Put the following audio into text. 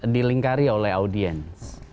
dilingkari oleh audiens